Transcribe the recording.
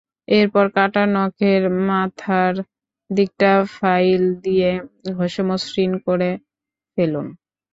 এরপর কাটা নখের মাথার দিকটা ফাইল দিয়ে ঘষে মসৃণ করে ফেলুন।